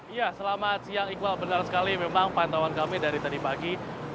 iya selamat siang iqbal benar sekali memang pantauan kami dari tadi pagi